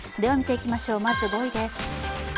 まず５位です。